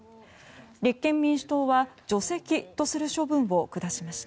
立憲民主党は除籍とする処分を下しました。